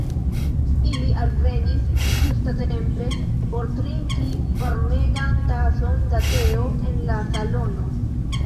Ili alvenis ĝustatempe por trinki varmegan tason da teo en la salono.